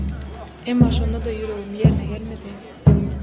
emma şonda-da ýüregim ýerine gelmedi.